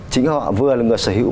chính họ vừa là người sở hữu